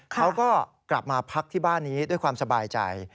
เขาก็กลับมาพักที่บ้านนี้ด้วยความสบายใจ